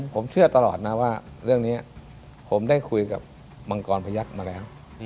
ผมเชื่อตลอดนะว่าเรื่องนี้ผมได้คุยกับมังกรพยักษ์มาแล้ว